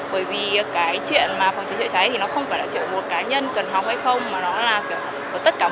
bởi vì cái chuyện mà phòng cháy chữa cháy thì nó không phải là chuyện một cá nhân cần học hay không